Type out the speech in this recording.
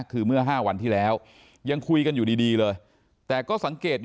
คือเมื่อ๕วันที่แล้วยังคุยกันอยู่ดีเลยแต่ก็สังเกต